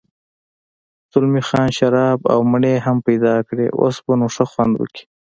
زلمی خان شراب او مڼې هم پیدا کړې، اوس به نو ښه خوند وکړي.